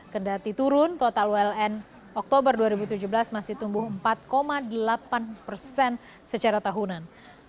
kendati turun total uln oktober dua ribu tujuh belas masih tumbuh empat delapan persen secara tahunan